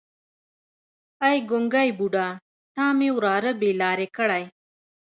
ای ګونګی بوډا تا مې وراره بې لارې کړی.